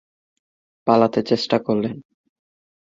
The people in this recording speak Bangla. পালাতে চেষ্টা করলেন।